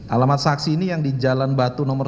alamat saksi ini yang di jalan batu nomor